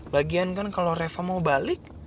lagian kan kalau reva mau balik